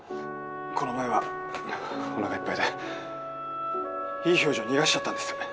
この前はお腹いっぱいでいい表情逃がしちゃったんです。